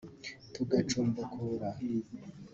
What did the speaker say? tugacukumbura